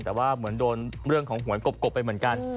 แต่ว่าเหมือนโดนเรื่องของหวยกบไปเหมือนกัน